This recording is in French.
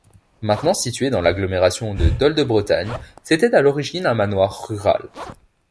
Maintenant situé dans l’agglomération de Dol-de-Bretagne, c'était à l'origine un manoir rural.